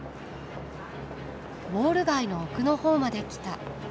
ウォール街の奥の方まで来た。